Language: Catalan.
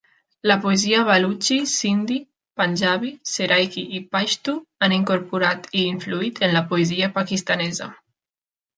La poesia balutxi, sindhi, panjabi, seraiki i paixtu han incorporat i influït en la poesia pakistanesa.